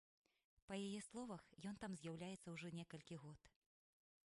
Па яе словах, ён там з'яўляецца ўжо некалькі год.